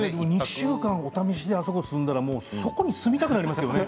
２週間お試しで住んだらそこに住みたくなりますよね。